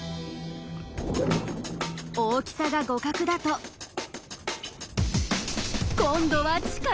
大きさが互角だと今度は力比べ。